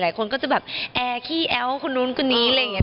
หลายคนก็จะแบบแอร์ขี้แอ้วคนนู้นคนนี้อะไรอย่างนี้